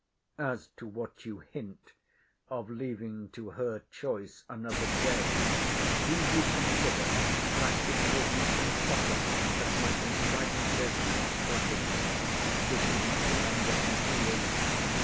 As to what you hint, of leaving to her choice another day, do you consider, that it will be impossible that my contrivances and stratagems should be much longer concealed?